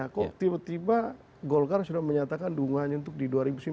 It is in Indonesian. kok tiba tiba golkar sudah menyatakan dukungannya untuk di dua ribu sembilan belas